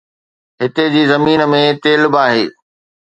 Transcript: هتي جي زمين ۾ تيل به آهي